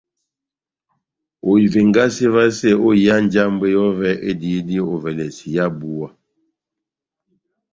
Ohivengase vasɛ ó iha njambwɛ yɔvɛ ediyidi ovɛlɛsɛ iha búwa.